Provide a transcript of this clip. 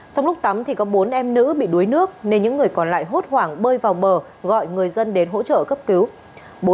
trong lúc tắm thì có bốn em nữ bị đuối nước nên những người còn lại hốt hoảng bơi vào bờ gọi người dân đến hỗ trợ cấp cứu